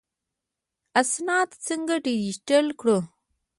اسناد څنګه ډیجیټل کړو؟